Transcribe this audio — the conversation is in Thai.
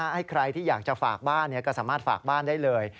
ให้ใครที่อยากจะฝากบ้านก็สามารถฝากบ้านได้เลย